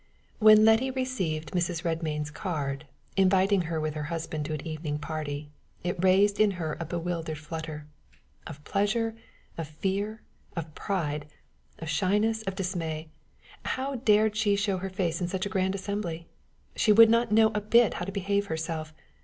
When Letty received Mrs. Redmain's card, inviting her with her husband to an evening party, it raised in her a bewildered flutter of pleasure, of fear, of pride, of shyness, of dismay: how dared she show her face in such a grand assembly? She would not know a bit how to behave herself!